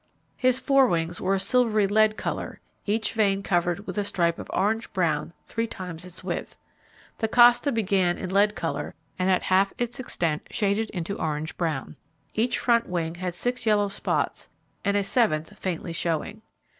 His fore wings were a silvery lead colour, each vein covered with a stripe of orange brown three times its width. The costa began in lead colour, and at half its extent shaded into orange brown. Each front wing had six yellow spots, and a seventh faintly showing.